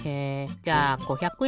じゃあ５００え